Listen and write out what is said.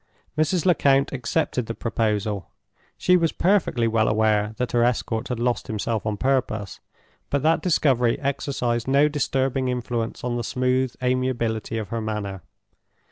Mrs. Lecount accepted the proposal. She was perfectly well aware that her escort had lost himself on purpose, but that discovery exercised no disturbing influence on the smooth amiability of her manner.